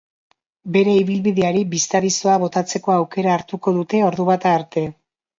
Bere ibilbideari bistadizoa botatzeko aukera hartuko dute ordubata arte.